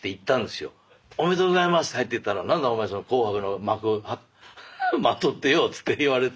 おめでとうございますって入っていったら何だお前その紅白の幕まとってよって言われて。